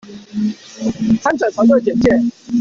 參展團隊簡介